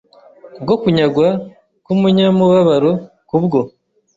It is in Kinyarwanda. Ku bwo kunyagwa k umunyamubabaro Ku bwo